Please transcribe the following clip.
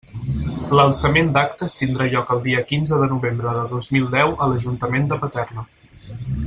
L'alçament d'actes tindrà lloc el dia quinze de novembre de dos mil deu a l'Ajuntament de Paterna.